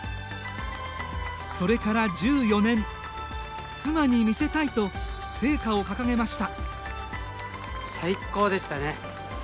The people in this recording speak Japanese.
それから１４年妻に見せたいと聖火を掲げました。